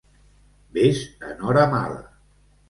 Ves en hora mala.